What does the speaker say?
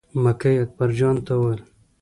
مکۍ اکبر جان ته وویل.